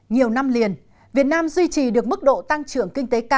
nhiều năm liền việt nam duy trì được mức độ tăng trưởng kinh tế cao